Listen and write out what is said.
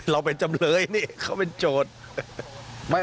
เราเป็นจำเลยนี่เขาเป็นโจทย์